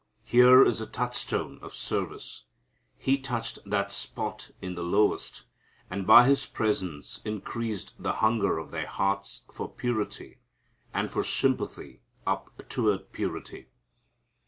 Here is the touchstone of service. He touched that spot in the lowest, and by His presence increased the hunger of their hearts for purity and for sympathy up toward purity.